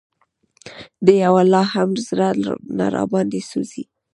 د یوه لا هم زړه نه راباندې سوزي